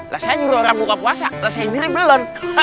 rasanya nyuruh orang buka puasa rasanya mirip belon